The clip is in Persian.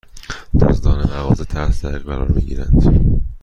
دزدان مغازه تحت تعقیب قرار می گیرند